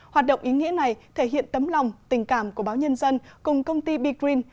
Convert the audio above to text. hoạt động ý nghĩa này thể hiện tấm lòng tình cảm của báo nhân dân cùng công ty begreen